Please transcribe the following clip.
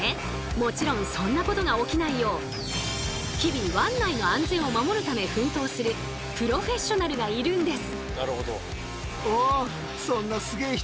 もちろんそんなことが起きないよう日々湾内の安全を守るため奮闘するプロフェッショナルがいるんです。